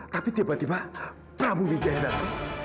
tapi tiba tiba prabu wijaya datang